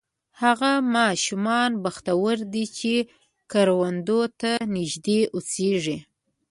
هغه ماشومان بختور دي چې کروندو ته نږدې اوسېږي.